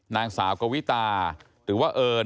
นางสาวกวิตาหรือว่าเอิญ